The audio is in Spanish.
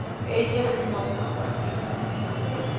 ella no parte